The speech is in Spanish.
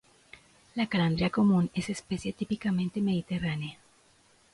La calandria común es especie típicamente mediterránea.